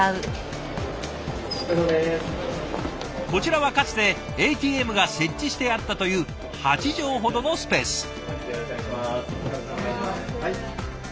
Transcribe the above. こちらはかつてＡＴＭが設置してあったという８畳ほどのスペース。